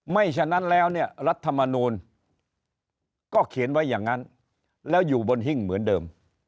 ฉะนั้นแล้วเนี่ยรัฐมนูลก็เขียนไว้อย่างนั้นแล้วอยู่บนหิ้งเหมือนเดิม